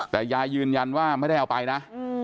แต่ยายยืนยันว่าไม่ได้เอาไปนะ